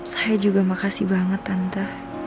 saya juga makasih banget tante